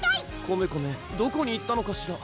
コメコメどこに行ったのかしら